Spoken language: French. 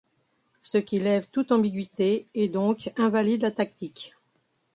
Ce qui lève toute ambiguïté, et donc invalide la tactique.